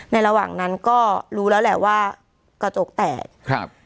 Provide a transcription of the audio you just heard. ระหว่างนั้นก็รู้แล้วแหละว่ากระจกแตกครับ